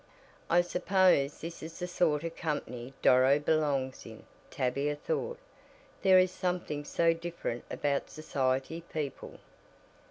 "I suppose this is the sort of company Doro belongs in," Tavia thought. "There is something so different about society people."